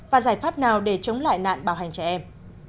và giải pháp nào để chống lại nạn bảo hành trẻ em